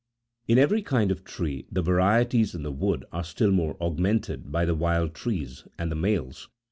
In every kind of tree, the varieties in the wood are still more augmented by the wild trees and the males.